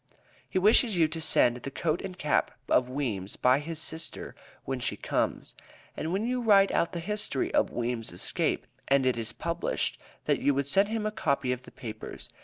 He wishes you to send the coat and cap of Weems by his sister when she comes. And when you write out the history of Weems' escape, and it is published, that you would send him a copy of the papers.